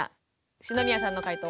篠宮さんの解答